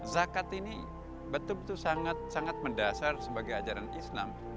zakat ini betul betul sangat sangat mendasar sebagai ajaran islam